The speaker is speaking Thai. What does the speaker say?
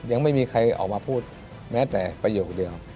ยังไม่มีใครออกมาพูดแม้แต่ประโยคเดียว